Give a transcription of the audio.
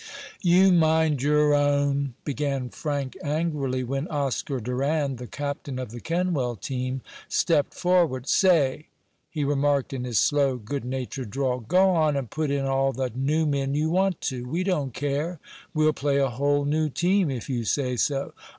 "You mind your own " began Frank angrily, when Oscar Durand, the captain of the Kenwell team, stepped forward. "Say," he remarked in his slow, good natured drawl, "go on and put in all the new men you want to. We don't care. We'll play a whole new team if you say so.